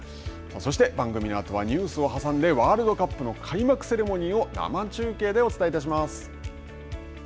そして、番組のあとはニュースを挟んでワールドカップの開幕セレモニーを生中継でお伝えいたします。